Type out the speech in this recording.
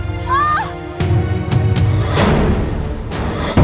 aku boleh temasku